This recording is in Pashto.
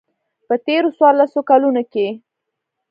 په تېرو څوارلسو کلونو کې.